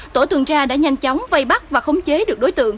tổ tuần tra đã nhanh chóng vây bắt và khống chế được đối tượng